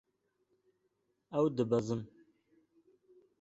Ew dibezin.